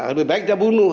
lebih baik dia bunuh